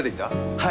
はい。